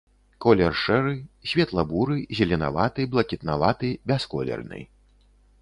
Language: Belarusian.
Колер шэры, светла-буры, зеленаваты, блакітнаваты, бясколерны.